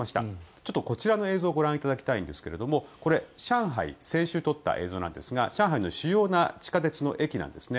ちょっとこちらの映像をご覧いただきたいんですがこれ、上海で先週撮った映像なんですが上海の主要な地下鉄の駅なんですね。